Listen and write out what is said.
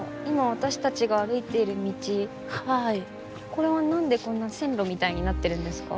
これは何でこんな線路みたいになっているんですか？